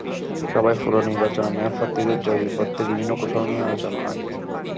সভায় পৌর নির্বাচনে মেয়র প্রার্থীদের জয়ী করতে বিভিন্ন কৌশল নিয়ে আলোচনা হয়।